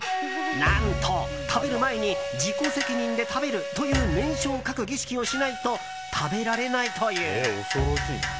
何と、食べる前に自己責任で食べるという念書を書く儀式をしないと食べられないという。